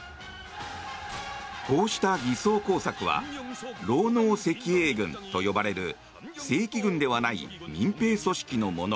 こうした偽装工作は労農赤衛軍と呼ばれる正規軍ではない民兵組織のもの。